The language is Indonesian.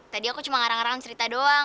tadi aku cuma ngarang ngarang cerita doang